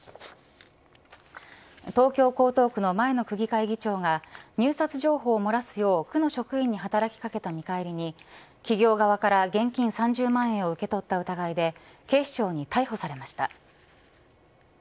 東京、江東区の前の区議会議長が入札情報を漏らすよう区の職員に働き掛けた見返りに企業側から現金３０万円を受け取った疑いで警視庁に逮捕されました。